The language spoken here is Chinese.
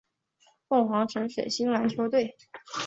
凤凰城水星篮球队。